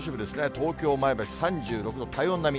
東京、前橋、３６度、体温並み。